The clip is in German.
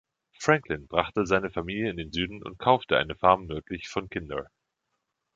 Franklin brachte seine Familie in den Süden und kaufte eine Farm nördlich von Kinder.